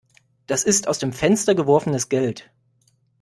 Das ist aus dem Fenster geworfenes Geld.